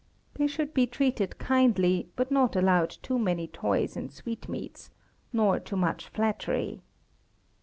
They should be treated kindly, but not allowed too many toys and sweetmeats, nor too much flattery.